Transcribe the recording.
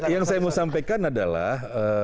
yang saya mau sampaikan adalah